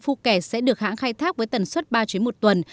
phuket sẽ được hãng khai thác với tần suất ba chuyến một tuần